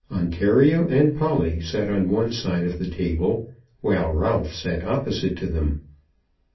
Ontario and Polly sat on one side of the table, while Ralph sat opposite to them.